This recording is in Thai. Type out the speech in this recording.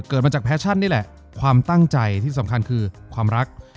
เกิดมาจากแฟชั่นนี่แหละความตั้งใจที่สำคัญคือความรัก